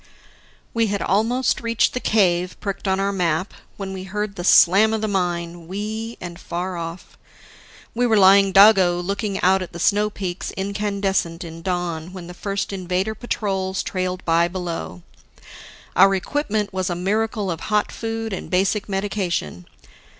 We had almost reached the cave pricked on our map, when we heard the slam of the mine, wee and far off. We were lying doggo looking out at the snow peaks incandescent in dawn when the first Invader patrols trailed by below. Our equipment was a miracle of hot food and basic medication.